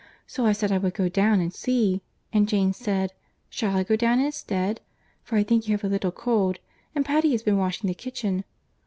So I said I would go down and see, and Jane said, 'Shall I go down instead? for I think you have a little cold, and Patty has been washing the kitchen.